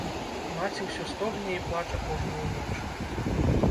Маці ўсё стогне і плача кожную ноч.